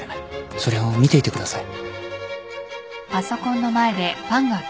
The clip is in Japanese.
それを見ていてください。